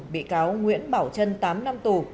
bị cáo nguyễn bảo trân tám năm tù